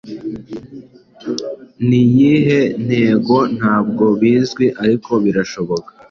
niyihe ntegontabwo bizwiariko birashoboka